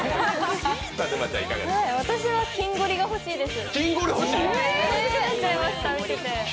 私は金ゴリが欲しいです。